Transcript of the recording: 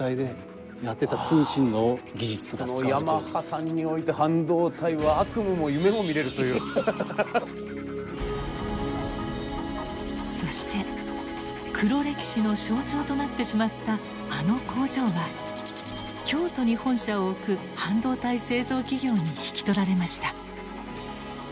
ヤマハさんにおいてそして黒歴史の象徴となってしまったあの工場は京都に本社を置く半導体製造企業に引き取られました。